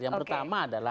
yang pertama adalah